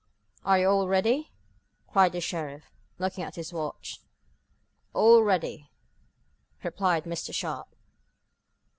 "Are you all ready?" cried the sheriff, looking at his watch. "All ready," replied Mr. Sharp.